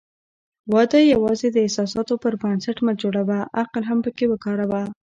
واده یوازې د احساساتو پر بنسټ مه جوړوه، عقل هم پکې وکاروه.